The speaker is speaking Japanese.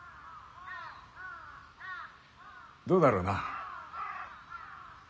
どうだろうな。